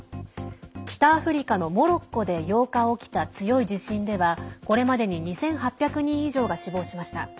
北アフリカのモロッコで８日、起きた強い地震ではこれまでに２８００人以上が死亡しました。